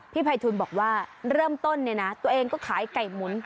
ภัยทูลบอกว่าเริ่มต้นเนี่ยนะตัวเองก็ขายไก่หมุน